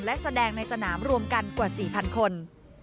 และแสดงในสนามรวมกันกว่า๔๐๐คน